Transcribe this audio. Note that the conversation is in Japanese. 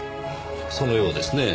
そのようですねぇ。